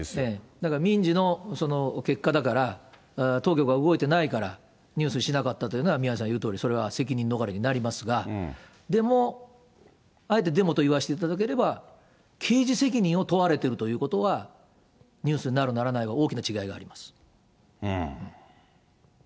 だから、民事の結果だから、当局は動いていないから、ニュースにしなかったというのは、宮根さんの言うとおり、それは責任逃れになりますが、でも、あえて、でもと言わせていただければ、刑事責任を問われているということは、ニュースになる、ならないは大きな違いがあります。